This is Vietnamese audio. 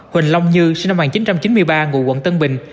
huỳnh long như sinh năm một nghìn chín trăm chín mươi ba ngụ quận tân bình